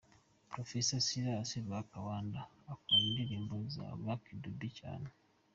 Professor Silas Lwakabamba akunda indirimbo za Lucky Dube cyane.